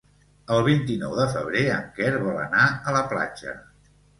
El vint-i-nou de febrer en Quer vol anar a la platja.